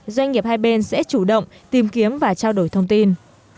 doanh nghiệp hai bên sẽ chủ động tìm kiếm và trao đổi thông tin